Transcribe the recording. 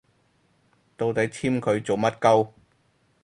到底簽佢做乜 𨳊